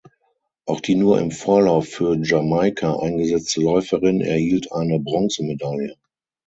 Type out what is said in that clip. Auch die nur im Vorlauf für Jamaika eingesetzte Läuferin erhielt eine Bronzemedaille.